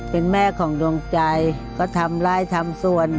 เป็นแม่ของดวงใจก็ทำไล่ทำส่วน